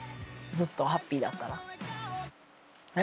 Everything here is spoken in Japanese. ずっとハッピーだったら。